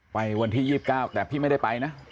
ไปวันที่๒๙แต่พี่ไม่ได้ไปนะ